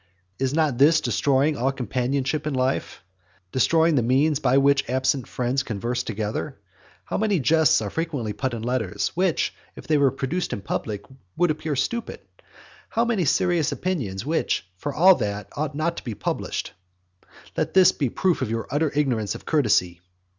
Is not this destroying all companionship in life, destroying the means by which absent friends converse together? How many jests are frequently put in letters, which, if they were produced in public, would appear stupid! How many serious opinions, which, for all that, ought not to be published! Let this be a proof of your utter ignorance of courtesy.